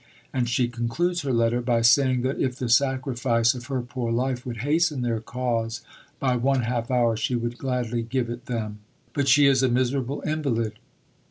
And she concludes her letter by saying that if the sacrifice of her poor life would hasten their cause by one half hour, she would gladly give it them. But she is a miserable invalid."